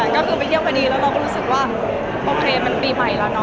ก็คือไปเที่ยวพอดีแล้วเราก็รู้สึกว่าโอเคมันปีใหม่แล้วเนอ